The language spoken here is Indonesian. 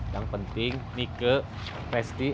yang penting mieke resti